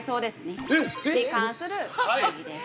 それに関する会議です。